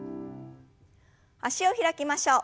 脚を開きましょう。